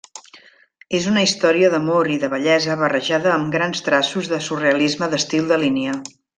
És una història d'amor i de bellesa barrejada amb grans traços de surrealisme d'estil dalinià.